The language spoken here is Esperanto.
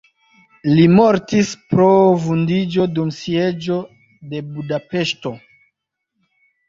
Li mortis pro vundiĝo dum sieĝo de Budapeŝto.